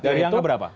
dari angka berapa